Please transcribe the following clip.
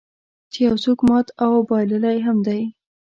چې یو څوک مات او بایللی هم دی.